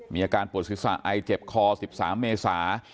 มีอาการปวดศีรษะไอเจ็บคอ๑๓เมษา